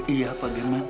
iya pak giman